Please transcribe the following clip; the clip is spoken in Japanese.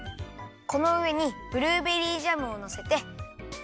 このうえにブルーベリージャムをのせて。